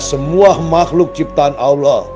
semua makhluk ciptaan allah